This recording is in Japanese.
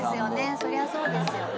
そりゃそうですよね。